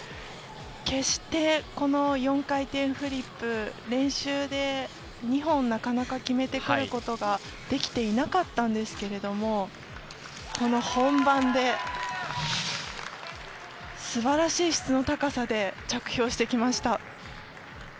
決して４回転フリップは練習で２本なかなか決めてくることができていなかったんですけれどもこの本番で素晴らしい質の高さで着氷してきました。